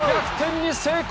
逆転に成功！